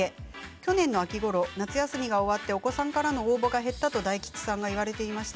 去年の秋ころ、夏休みが終わってお子様からの応募が減ったと大吉さんが言われていました。